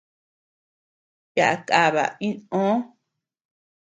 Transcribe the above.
Yaá kaba inʼö.